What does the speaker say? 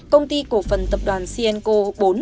công ty cổ phần tập đoàn cienco bốn